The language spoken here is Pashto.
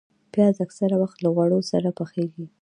پیاز اکثره وخت له غوړو سره پخېږي